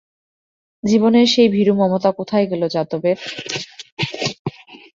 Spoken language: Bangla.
জীবনের সেই ভীরু মমতা কোথায় গেল যাদবের?